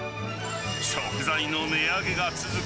食材の値上げが続く